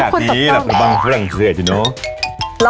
เค้ากินกันแบบนี้แหละมีบางผู้หลังเศรษฐ์อยู่เนอะ